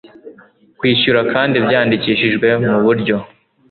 kwishyura kandi byandikishijwe mu buryo